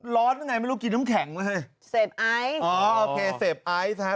ร้อนไงไม่รู้กี่น้ำแข็งไว้เฮ่ยเสพไอซ์อ๋อโอเคเสพไอซ์นะฮะ